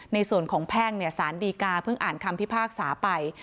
ในส่วนของแพ่งสารดีกาเพิ่งอ่านคำพิพากษาไป